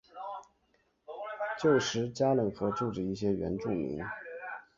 旧时加冷河住着一些原住民。